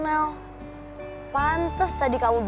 saya yang habis menambah kain rai